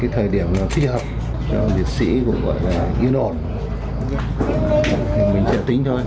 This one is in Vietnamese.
thích hợp cho liệt sĩ cũng gọi là yên ổn mình sẽ tính thôi